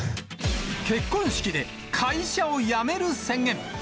結婚式で会社を辞める宣言。